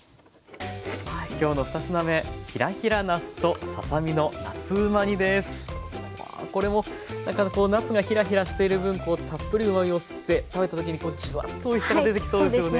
きょうの２品目これもなすがヒラヒラしている分たっぷりうまみを吸って食べた時にジュワッとおいしさが出てきそうですよね。